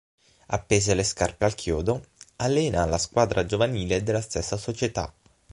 Appese le scarpe al chiodo, allena la squadra giovanile della stessa società.